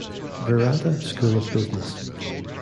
Virata School of Business.